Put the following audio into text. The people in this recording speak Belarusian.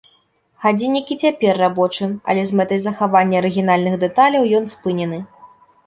Гадзіннік і цяпер рабочы, але з мэтай захавання арыгінальных дэталяў ён спынены.